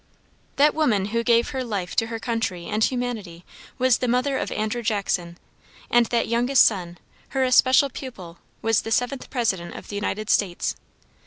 That woman who gave her life to her country and humanity was the mother of Andrew Jackson, and that youngest son, her especial pupil, was the seventh president of the United States.